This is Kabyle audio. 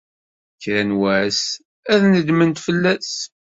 Kra n wass, ad tnedmemt fell-as.